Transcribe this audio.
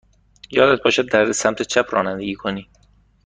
یادت باشد در سمت چپ رانندگی کنی.